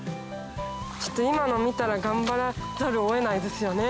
ちょっと今のを見たら頑張らざるを得ないですよね。